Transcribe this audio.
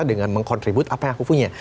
dengan mengkontribute apa yang aku punya